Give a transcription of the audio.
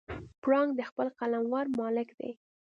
پړانګ د خپل قلمرو مالک دی.